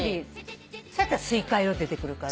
それだったらスイカ色で出てくるから。